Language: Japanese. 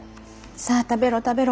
『さあたべろ、たべろ。